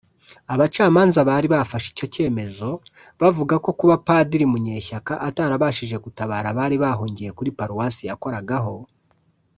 Abacamanza bari bafashe icyo cyemezo bavuga ko kuba Padiri Munyeshyaka atarabashije gutabara abari bahungiye kuri Paruwasi yakoragaho